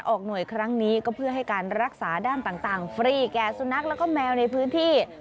หน่วยครั้งนี้ก็เพื่อให้การรักษาด้านต่างฟรีแก่สุนัขแล้วก็แมวในพื้นที่